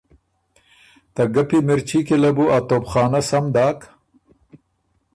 ته ګپی مِرچي کی له بو ا توپخانۀ سم داک